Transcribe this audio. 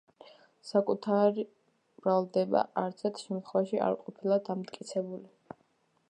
საკუთრივ ბრალდება არც ერთ შემთხვევაში არ ყოფილა დამტკიცებული.